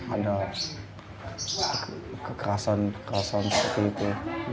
ada kekerasan kekerasan seperti itu